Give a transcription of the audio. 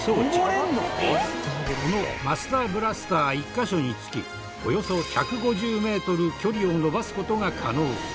このマスターブラスター１カ所につきおよそ１５０メートル距離を伸ばす事が可能。